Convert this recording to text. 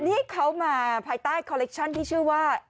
นี่เขามาภายใต้คอลเลคชั่นที่ชื่อว่า